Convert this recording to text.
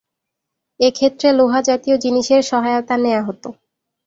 এ ক্ষেত্রে লোহা জাতীয় জিনিসের সহায়তা নেয়া হতো।